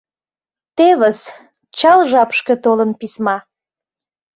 Тевыс, чал жапышке толын письма.